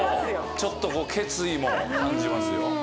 ちょっと決意も感じますよ。